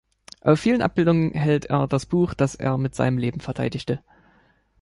Auf vielen Abbildungen hält er das Buch, das er mit seinem Leben verteidigte.